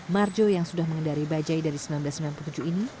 marjo yang sudah mengendari bajaj dari seribu sembilan ratus sembilan puluh tujuh ini